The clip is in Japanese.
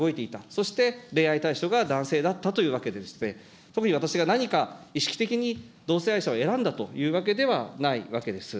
そして恋愛対象が男性だったというわけでして、特に私が何か、意識的に同性愛者を選んだというわけではないわけでです。